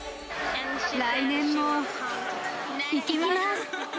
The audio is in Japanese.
来年も行きます。